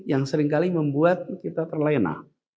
yang seringkali membuat kita terlena